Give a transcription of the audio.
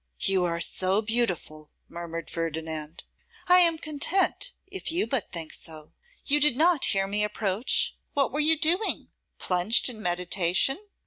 'You are so beautiful!' murmured Ferdinand. 'I am content if you but think so. You did not hear me approach? What were you doing? Plunged in meditation?